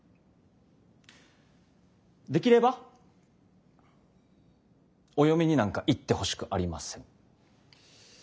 できればお嫁になんか行ってほしくありません。